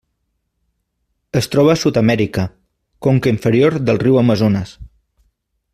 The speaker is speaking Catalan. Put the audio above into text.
Es troba a Sud-amèrica: conca inferior del riu Amazones.